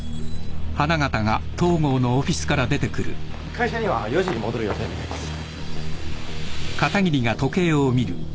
会社には４時に戻る予定みたいです。